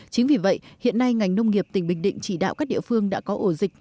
chính vì vậy hiện nay ngành nông nghiệp tỉnh bình định chỉ đạo các địa phương đã có ổ dịch